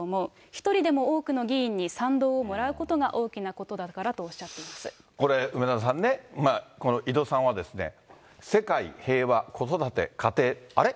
一人でも多くの議員に賛同をもらうことが大きなことだからと、おこれ、梅沢さんね、この井戸さんは、世界、平和、子育て、家庭、あれ？